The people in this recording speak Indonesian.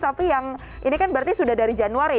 tapi yang ini kan berarti sudah dari januari